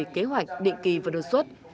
kế hoạch định kỳ và đột xuất